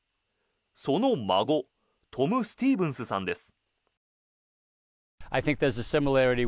その孫トム・スティーブンスさんです。